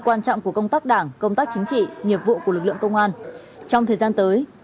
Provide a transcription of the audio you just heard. quan trọng của công tác đảng công tác chính trị